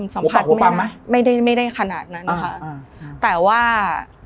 สัมผัสไม่ได้ไม่ได้ขนาดนั้นค่ะแต่ว่า